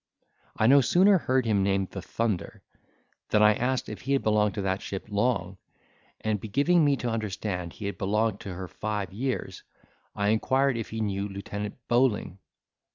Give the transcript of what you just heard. I no sooner heard him name the Thunder, than I asked if he had belonged to that ship long; and be giving me to understand he had belonged to her five years, I inquired if he knew Lieutenant Bowling?